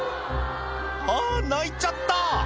あ泣いちゃった！